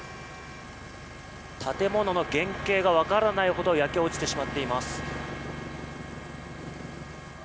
建物の原型が分からないほど焼け落ちてしまっています。